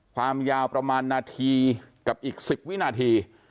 ความยาวประมาณนาทีกับอีก๑๐วินาที